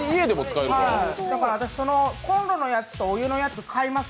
私のコンロのやつとお湯のやつ買います。